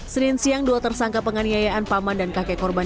senin siang dua tersangka penganiayaan paman dan kakek korban